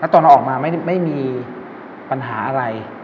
ตอนเราออกมาไม่มีปัญหาอะไร